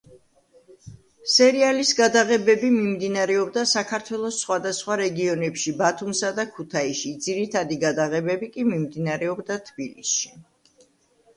სერიალის გადაღებები მიმდინარეობდა საქართველოს სხვადასხვა რეგიონებში ბათუმსა და ქუთაისში, ძირითადი გადაღებები კი მიმდინარეობდა თბილისში.